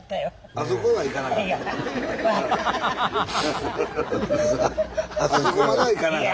あそこには行かないです。